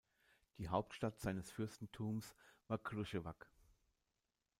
Die Hauptstadt seines Fürstentums war Kruševac.